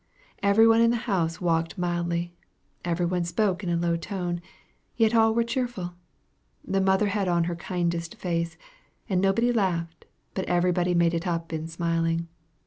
Every one in the house walked mildly. Every one spoke in a low tone. Yet all were cheerful. The mother had on her kindest face, and nobody laughed, but everybody made it up in smiling.